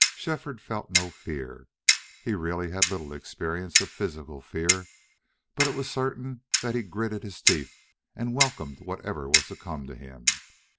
Shefford felt no fear he really had little experience of physical fear but it was certain that he gritted his teeth and welcomed whatever was to come to him.